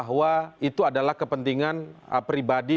bahwa itu adalah kepentingan pribadi